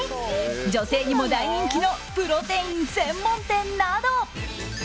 女性にも大人気のプロテイン専門店など。